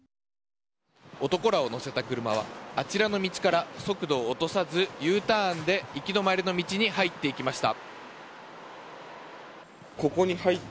男らを乗せた車はあちらの道から速度を落とさずＵターンで行き止まりの道に入っていきました。